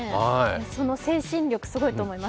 その精神力、すごいと思います。